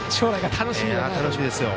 楽しみですよ。